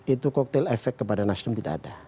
itu koktel efek kepada nasdem tidak ada